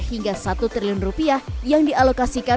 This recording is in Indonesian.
hingga satu triliun rupiah yang dialokasikan